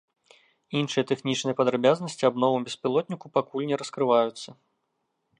Іншыя тэхнічныя падрабязнасці аб новым беспілотніку пакуль не раскрываюцца.